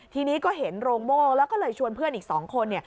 ทีนี้ก็เห็นโรงโม่แล้วก็เลยชวนเพื่อนอีก๒คน